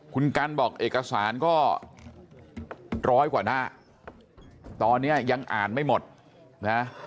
คุณกันบอกเอกสารก็ร้อยกว่าหน้าตอนนี้ยังอ่านไม่หมดนะ